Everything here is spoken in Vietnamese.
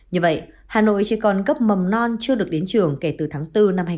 như vậy hà nội chỉ còn cấp mầm non chưa được đến trường kể từ tháng bốn năm hai nghìn hai mươi